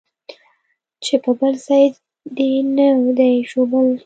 چې بل ځاى دې نه دى ژوبل.